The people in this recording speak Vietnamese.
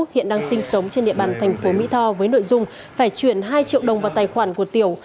hiện đang sinh sống trên địa bàn thành phố mỹ tho với nội dung phải chuyển hai triệu đồng vào tài khoản của tiểu